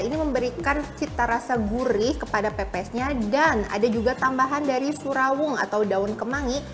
ini memberikan cita rasa gurih kepada pepesnya dan ada juga tambahan dari furawung atau daun kemangi